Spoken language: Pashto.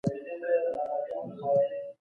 د اسیا پرمختیايي بانک په زیربناوو پانګونه کوله.